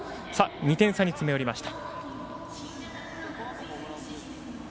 ２点差に詰め寄りました。